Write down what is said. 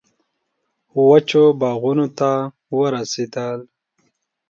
وچو باغونو ته ورسېدل.